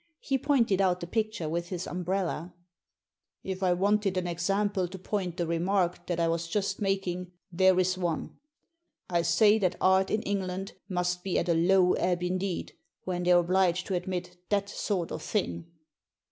He pointed out the picture with his umbrella. * If I wanted an example to point the remark that I was just making, there is one. I say that art in England must be at a low ebb indeed when they're obliged to admit that sort of thing."